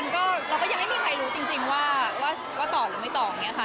ก็เราก็ยังไม่มีใครรู้จริงว่าต่อหรือไม่ตอบอย่างนี้ค่ะ